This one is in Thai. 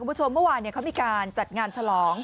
เมื่อวานเขามีการจัดงานฉลอง